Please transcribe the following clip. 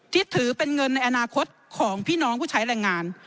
ที่ถือเป็นเงินในอนาคตของพี่น้องผู้ใช้แรงงาน